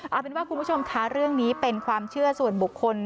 เอาเป็นว่าคุณผู้ชมค่ะเรื่องนี้เป็นความเชื่อส่วนบุคคล